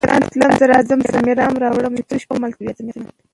که علم عام شي، خلک په خپله د حل لارې پیدا کوي.